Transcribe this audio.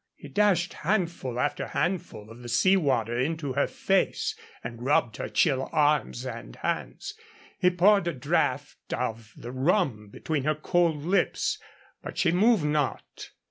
He dashed handful after handful of the sea water into her face and rubbed her chill arms and hands. He poured a draught of the rum between her cold lips. But she moved not.